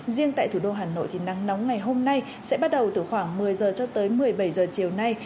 riêng tại thủ đô hà nội thì nắng nóng ngày hôm nay sẽ bắt đầu từ khoảng một mươi h cho tới một mươi bảy h chiều nay